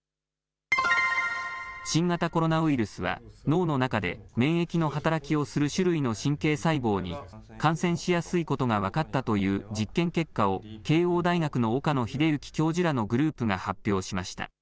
新型コロナウイルスは脳の中で免疫の働きをする種類の神経細胞に感染しやすいことが分かったという実験結果を慶応大学の岡野栄之教授らのグループが発表しました。